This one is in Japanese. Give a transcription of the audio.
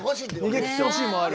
逃げきってほしいもある。